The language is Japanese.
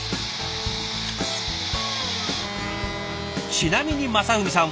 ちなみに正文さん